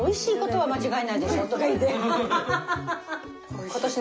はい。